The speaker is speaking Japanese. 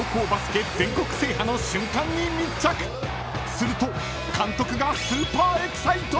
［すると監督がスーパーエキサイト！］